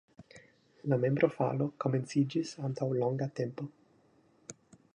La membrofalo komenciĝis antaŭ longa tempo.